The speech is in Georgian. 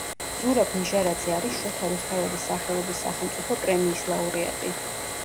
ზურაბ ნიჟარაძე არის შოთა რუსთაველის სახელობის სახელმწიფო პრემიის ლაურეატი.